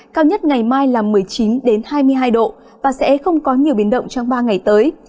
cao nhất ngày mai là một mươi chín hai mươi hai độ và sẽ không có nhiều biến động trong ba ngày tới